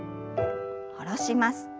下ろします。